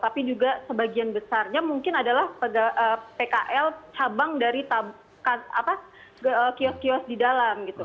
tapi juga sebagian besarnya mungkin adalah pkl cabang dari kios kios di dalam gitu